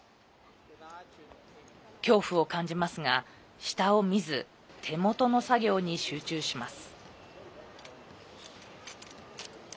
恐怖を感じますが、下を見ず手元の作業に集中します。